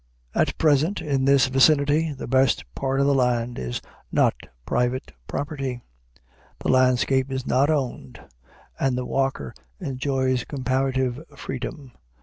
At present, in this vicinity, the best part of the land is not private property; the landscape is not owned, and the walker enjoys comparative freedom.